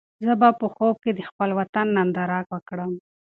زه به په خوب کې د خپل وطن ننداره وکړم.